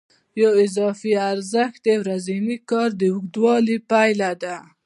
یو اضافي ارزښت د ورځني کار د اوږدوالي پایله ده